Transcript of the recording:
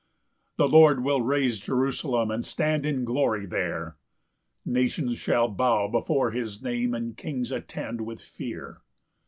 3 The Lord will raise Jerusalem, And stand in glory there; Nations shall bow before has name, And kings attend with fear.